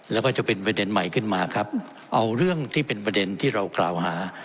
แล้วก็จะเป็นประเด็นใหม่ขึ้นมาครับเอาเรื่องที่เป็นประเด็นที่เรากล่าวหา